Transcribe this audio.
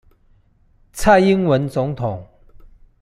蔡英文總統